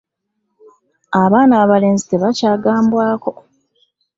abaana abalenzi tebakya gambwako